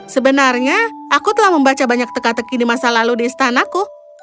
sebenarnya aku telah membaca banyak teka teki di masa lalu di istanaku